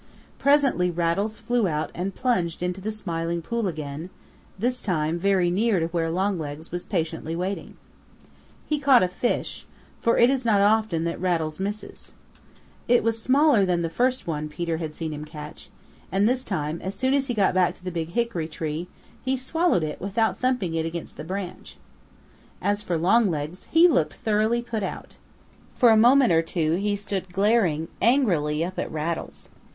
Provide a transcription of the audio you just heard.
Presently Rattles flew out and plunged into the Smiling Pool again, this time, very near to where Longlegs was patiently waiting. He caught a fish, for it is not often that Rattles misses. It was smaller than the first one Peter had seen him catch, and this time as soon as he got back to the Big Hickory tree, he swallowed it without thumping it against the branch. As for Longlegs, he looked thoroughly put out. For a moment or two he stood glaring angrily up at Rattles.